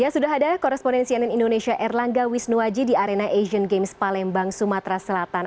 sudah ada korespondensi ann indonesia erlangga wisnuwaji di arena asian games palembang sumatera selatan